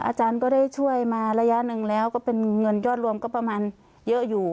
อาจารย์ก็ได้ช่วยมาระยะหนึ่งแล้วก็เป็นเงินยอดรวมก็ประมาณเยอะอยู่